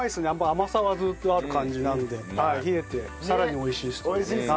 甘さはずっとある感じなんで冷えてさらに美味しいですね。